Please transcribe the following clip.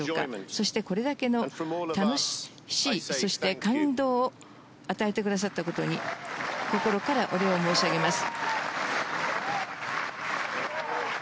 そして、これだけの楽しいそして感動を与えてくださったことに心からお礼を申し上げます。